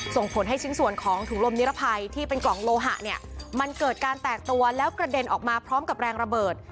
ส่งผลให้ชิ้นส่วนของถุงลมนิรภัยที่เป็นกล่องโลหะเนี่ยมันเกิดการแตกตัวแล้วกระเด็นออกมาพร้อมกับแรงระเบิด